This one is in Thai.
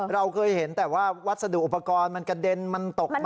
เราเคยเห็นแต่ว่าวัสดุอุปกรณ์มันกระเด็นมันตกมา